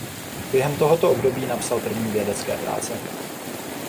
Během tohoto období napsal první vědecké práce.